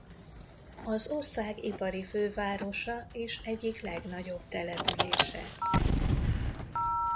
Az ország ipari fővárosa és egyik legnagyobb települése.